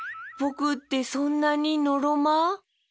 ぼくってそんなにのろま？